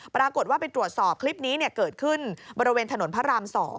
ปรากฏว่าไปตรวจสอบคลิปนี้เกิดขึ้นบริเวณถนนพระราม๒